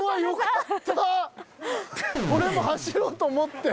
俺も走ろうと思って。